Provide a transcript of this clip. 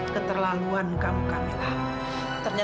keterlaluan kamu kamila